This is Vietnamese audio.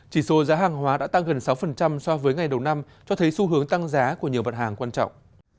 chỉ số giá hàng hóa đã tăng gần sáu so với ngày đầu năm cho thấy xu hướng tăng giá của nhiều vật hàng quan trọng